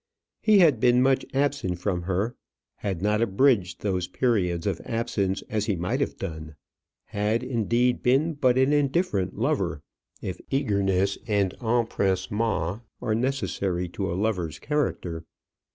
He had been much absent from her; had not abridged those periods of absence as he might have done; had, indeed, been but an indifferent lover, if eagerness and empressement are necessary to a lover's character.